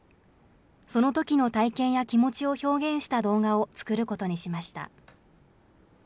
そのときの体験や気持ちを表現した動画を作ることにしました。